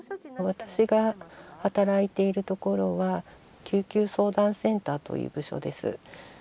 私が働いている所は救急相談センターという部署です。